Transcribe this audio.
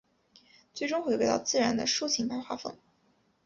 最终回归到自然的抒情派画风。